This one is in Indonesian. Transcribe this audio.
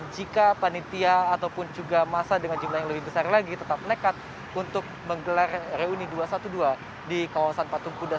jika panitia ataupun juga masa dengan jumlah yang lebih besar lagi tetap nekat untuk menggelar reuni dua ratus dua belas di kawasan patung kuda